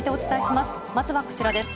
まずはこちらです。